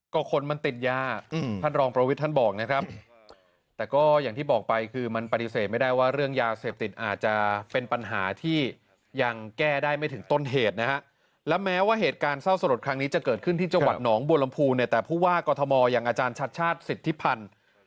ก็คนมันติดยาท่านรองประวิทย์ท่านบอกนะครับแต่ก็อย่างที่บอกไปคือมันปฏิเสธไม่ได้ว่าเรื่องยาเสพติดอาจจะเป็นปัญหาที่ยังแก้ได้ไม่ถึงต้นเหตุนะฮะและแม้ว่าเหตุการณ์เศร้าสลดครั้งนี้จะเกิดขึ้นที่จังหวัดหนองบัวลำพูเนี่ยแต่ผู้ว่ากอทมอย่างอาจารย์ชัดชาติสิทธิพันธ์